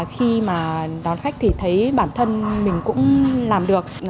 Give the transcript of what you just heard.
khi mà đón khách thì thấy bản thân mình cũng làm được